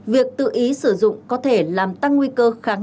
việc tự ý sử dụng có thể làm tăng nguy cơ kháng